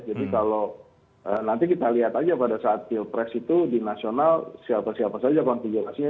kalau nanti kita lihat aja pada saat pilpres itu di nasional siapa siapa saja konfigurasinya